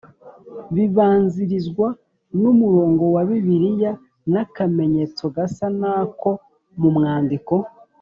bibanzirizwa n umurongo wa Bibiliya n akamenyetso gasa n ako mu mwandiko